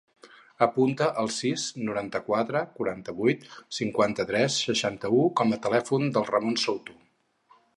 Apunta el sis, noranta-quatre, quaranta-vuit, cinquanta-tres, seixanta-u com a telèfon del Ramon Souto.